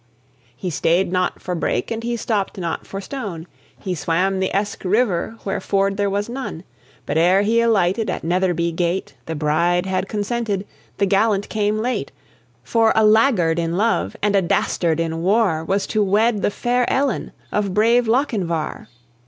He stayed not for brake, and he stopped not for stone, He swam the Eske River where ford there was none; But ere he alighted at Netherby gate The bride had consented, the gallant came late: For a laggard in love, and a dastard in war Was to wed the fair Ellen of brave Lochinvar.